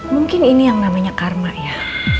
mungkin ini yang namanya karma ya